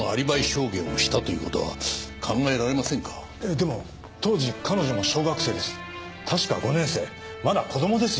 でも当時彼女も小学生です。